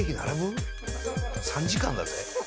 ３時間だぜ？